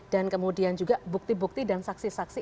dan kemudian juga bukti bukti dan saksi saksi